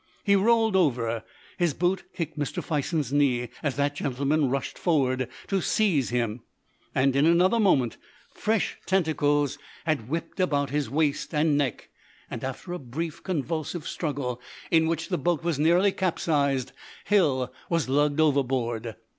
He rolled over; his boot kicked Mr. Fison's knee as that gentleman rushed forward to seize him, and in another moment fresh tentacles had whipped about his waist and neck, and after a brief, convulsive struggle, in which the boat was nearly capsized, Hill was lugged overboard.